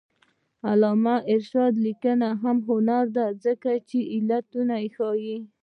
د علامه رشاد لیکنی هنر مهم دی ځکه چې علتونه ښيي.